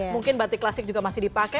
mungkin batik klasik juga masih dipakai